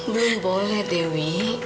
belum boleh dewi